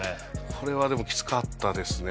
これはでもキツかったですね